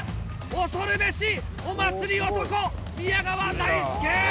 恐るべしお祭り男宮川大輔！